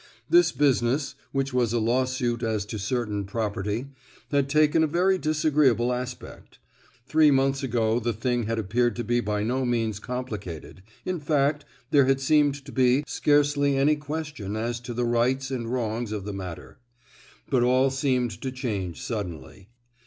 This business—which was a lawsuit as to certain property—had taken a very disagreeable aspect. Three months ago the thing had appeared to be by no means complicated—in fact, there had seemed to be scarcely any question as to the rights and wrongs of the matter, but all seemed to change suddenly.